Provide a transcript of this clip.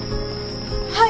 はい！